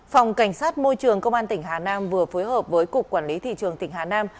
phòng cảnh sát môi trường công an tỉnh hà nam vừa phối hợp với cục quản lý thị trường tỉnh hà nam